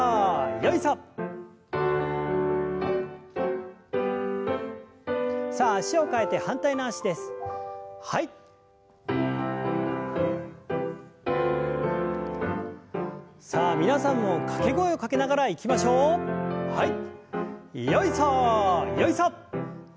よいさよいさ！